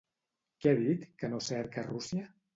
Què ha dit que no cerca Rússia?